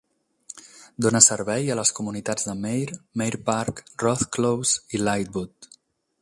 Dona servei a les comunitats de Meir, Meir Park, Rough Close i Lightwood.